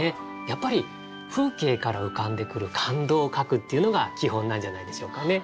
やっぱり風景から浮かんでくる感動を書くっていうのが基本なんじゃないでしょうかね。